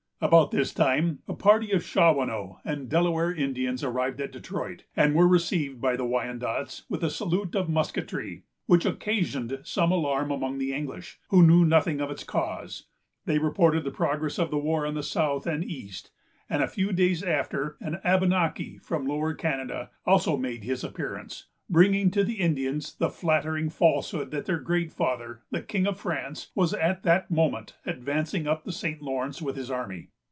About this time, a party of Shawanoe and Delaware Indians arrived at Detroit, and were received by the Wyandots with a salute of musketry, which occasioned some alarm among the English, who knew nothing of its cause. They reported the progress of the war in the south and east; and, a few days after, an Abenaki, from Lower Canada, also made his appearance, bringing to the Indians the flattering falsehood that their Great Father, the King of France, was at that moment advancing up the St. Lawrence with his army.